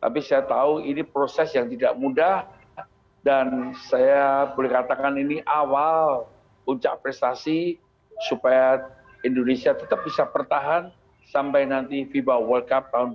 tapi saya tahu ini proses yang tidak mudah dan saya boleh katakan ini awal puncak prestasi supaya indonesia tetap bisa bertahan sampai nanti fiba world cup tahun dua ribu dua puluh